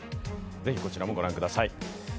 ぜひこちらもご覧ください。